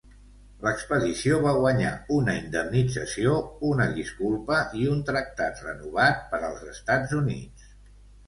L'expedició va guanyar una indemnització, una disculpa i un tractat renovat per als Estats Units.